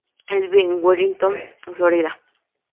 Él vive en Wellington, Florida.